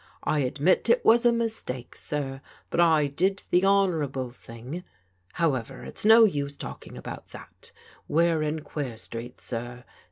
I admit it was a mistake, sir; but I did the honourable thing. However, it's no use talking about that. We're in queer street, sir.